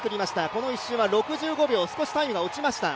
この１周は６５秒、少しタイムが落ちました。